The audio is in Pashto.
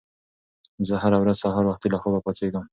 زه هره ورځ سهار وختي له خوبه پاڅېږم.